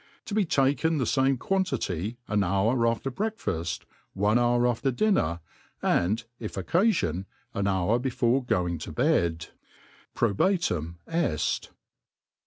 Tv7 be taken, the famp quantity an hour after breakfaft, one. hour after dinner, and, if occalion, an hour before goin^: ^p, bed. Probatum (ft.